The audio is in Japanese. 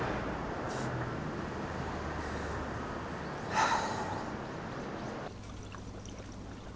はあ。